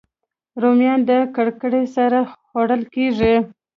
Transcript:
رومیان د ککرې سره خوړل کېږي